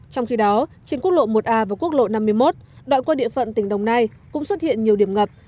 trong khi đó trên quốc lộ một a và quốc lộ năm mươi một đoạn qua địa phận tỉnh đồng nai cũng xuất hiện nhiều điểm ngập